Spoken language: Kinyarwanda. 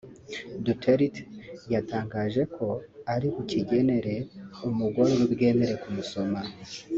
Duterte yatangaje ko ari bukigenere umugore uri bwemere kumusoma